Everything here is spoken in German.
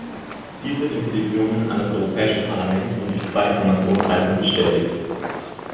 Dies wird in Petitionen an das Europäische Parlament und durch zwei Informationsreisen bestätigt.